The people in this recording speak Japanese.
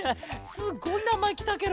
すっごいなまえきたケロ。